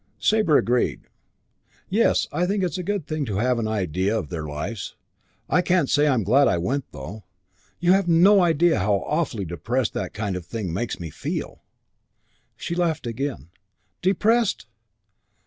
Sabre agreed. "Yes, I think it's a good thing to have an idea of their lives. I can't say I'm glad I went, though. You've no idea how awfully depressed that kind of thing makes me feel." She laughed again. "Depressed!